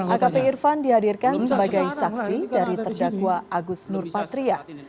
akp irfan dihadirkan sebagai saksi dari terdakwa agus nurpatria